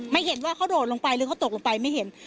ไม่เห็นว่าเขาโดดลงไปหรือเขาตกลงไปไม่เห็น